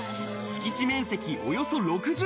敷地面積およそ６０坪。